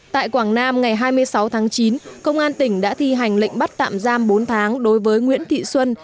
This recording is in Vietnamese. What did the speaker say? tại quảng nam ngày hai mươi sáu tháng chín công an tỉnh đã thi hành lệnh bắt tạm giam bốn tháng đối với nguyễn thị xuân